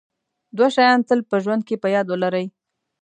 دوه شیان تل په ژوند کې په یاد ولرئ.